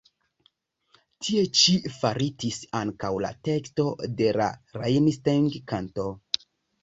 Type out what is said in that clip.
Tie ĉi faritis ankaŭ la teksto de la "Rennsteig-kanto".